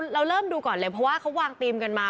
เราเริ่มดูก่อนเลยเพราะว่าเขาวางธีมกันมา